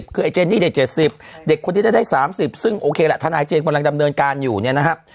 คือไอเจนนี่เด็ก๗๐เด็กคนที่จะได้๓๐ซึ่งโอเคแหละทนายเจนกำลังดำเนินการอยู่เนี่ยนะครับ